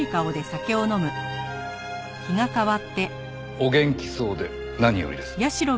お元気そうで何よりです。